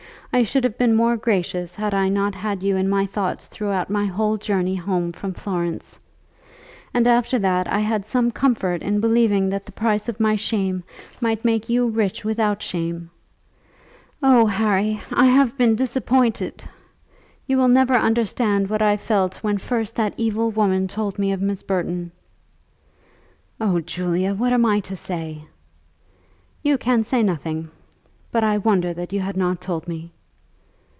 I should have been more gracious had I not had you in my thoughts throughout my whole journey home from Florence. And after that I had some comfort in believing that the price of my shame might make you rich without shame. Oh, Harry, I have been disappointed! You will never understand what I felt when first that evil woman told me of Miss Burton." "Oh, Julia, what am I to say?" "You can say nothing; but I wonder that you had not told me."